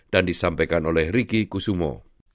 dan disampaikan oleh riki kusumo